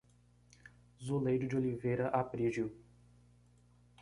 Zuleide de Oliveira Aprigio